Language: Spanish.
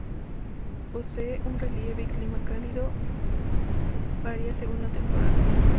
Posee un relieve y clima cálido, varia según la temporada.